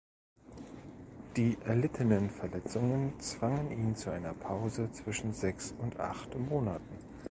Die erlittenen Verletzungen zwangen ihn zu einer Pause zwischen sechs und acht Monaten.